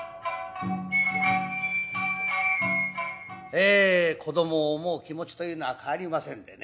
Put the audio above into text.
え子どもを思う気持ちというのは変わりませんでね